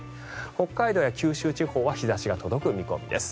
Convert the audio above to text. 北海道や九州地方は日差しが届く見込みです。